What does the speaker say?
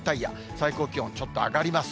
最高気温、ちょっと上がります。